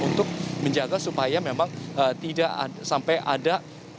untuk menjaga supaya memang tidak sampai ada